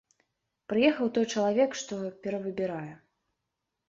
Прыехаў той чалавек, што перавыбірае.